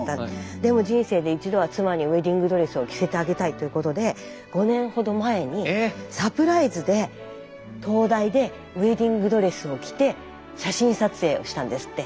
でも人生で一度は妻にウエディングドレスを着せてあげたいということで５年ほど前にえ⁉サプライズで灯台でウエディングドレスを着て写真撮影をしたんですって。